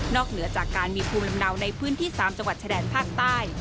เหนือจากการมีภูมิลำเนาในพื้นที่๓จังหวัดชายแดนภาคใต้